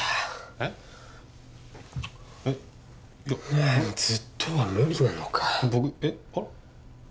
えっいやいやずっとは無理なのか僕えっあっ？